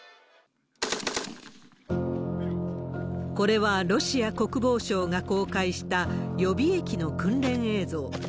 これは、ロシア国防省が公開した、予備役の訓練映像。